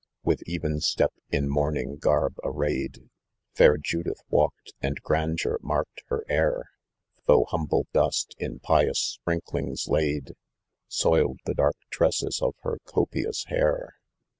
â– With even step in mourning garb arrayed Taj Judith watted, and grandeur marked her air, Though humble dust, in pious sprinklings laid, Soiled the dark tresses of her copious hair.